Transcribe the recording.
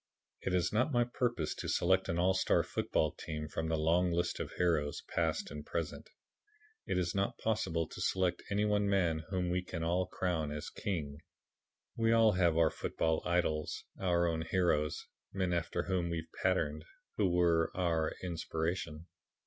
It is not my purpose to select an all star football team from the long list of heroes past and present. It is not possible to select any one man whom we can all crown as king. We all have our football idols, our own heroes, men after whom we have patterned, who were our inspiration.